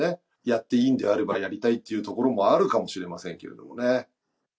やっていいんであれば、やりたいっていう所もあるかもしれませんけれどもね。